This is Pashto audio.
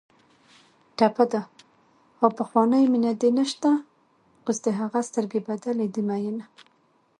ټپه ده: ها پخوانۍ مینه دې نشته اوس دې هغه سترګې بدلې دي مینه